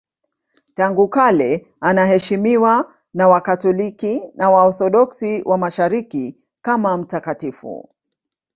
Tangu kale anaheshimiwa na Wakatoliki na Waorthodoksi wa Mashariki kama mtakatifu.